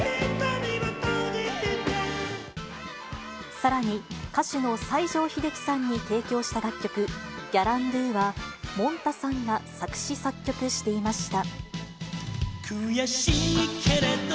さらに歌手の西城秀樹さんに提供した楽曲、ギャランドゥは、もんたさんが作詞・作曲していました。